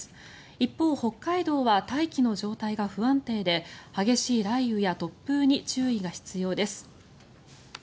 一方、北海道は大気の状態が不安定で激しい雷雨や突風に注意が必要です。